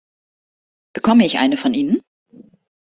Bekomme ich eine von Ihnen?